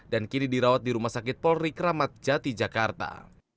dan kini dirawat di rumah sakit polri kramat jati jakarta